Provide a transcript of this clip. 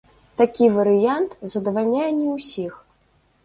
Такі варыянт задавальняе не ўсіх.